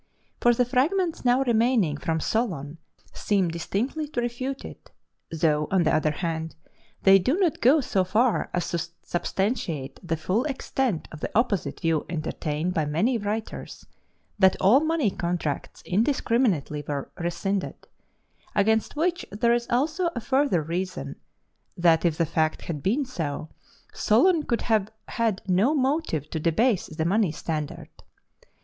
For the fragments now remaining from Solon seem distinctly to refute it, though, on the other hand, they do not go so far as to substantiate the full extent of the opposite view entertained by many writers that all money contracts indiscriminately were rescinded against which there is also a further reason, that if the fact had been so, Solon could have had no motive to debase the money standard.